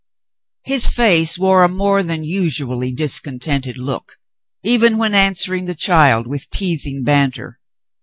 His face wore a more than usually discontented look, even when answering the child with teasing banter.